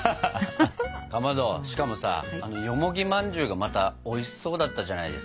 かまどしかもさあのよもぎまんじゅうがまたおいしそうだったじゃないですか。